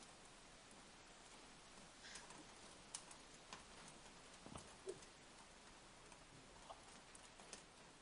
大眼壮灯鱼为辐鳍鱼纲灯笼鱼目灯笼鱼科壮灯鱼属的鱼类。